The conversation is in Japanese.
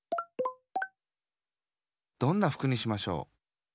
どんなふくにしましょう？